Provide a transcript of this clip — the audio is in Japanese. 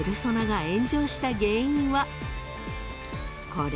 ［これ。